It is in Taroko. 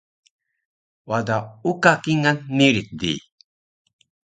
Wada uka kingal miric di